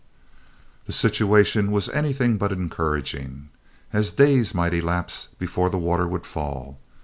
The situation was anything but encouraging, as days might elapse before the water would fall.